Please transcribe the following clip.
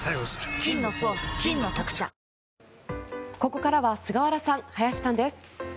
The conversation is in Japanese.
ここからは菅原さん、林さんです。